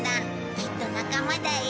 きっと仲間だよ。